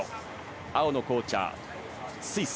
青のコーチャー、スイス。